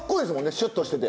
シュッとしてて。